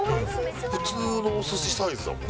普通のお寿司サイズだもん。